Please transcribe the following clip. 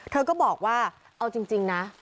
เธอก็บอกว่าเอาจริงนะ